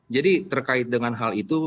jadi terkait dengan hal itu